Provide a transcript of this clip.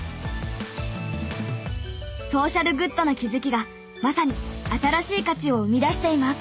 ソーシャルグッドな気づきがまさに新しい価値を生み出しています。